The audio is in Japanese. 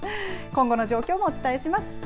今後の状況もお伝えします。